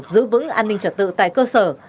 giữ vững an ninh trật tự tại cơ sở